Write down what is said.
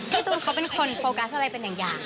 ตูนเขาเป็นคนโฟกัสอะไรเป็นอย่าง